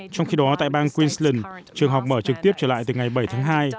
trong khi đó tại bang queensland trường học mở trực tiếp trở lại từ ngày bảy tháng hai